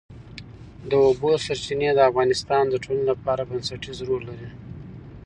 د اوبو سرچینې د افغانستان د ټولنې لپاره بنسټيز رول لري.